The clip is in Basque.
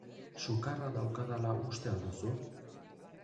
Sukarra daukadala uste al duzu?